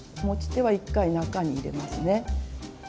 持ち手は一回中に入れますね。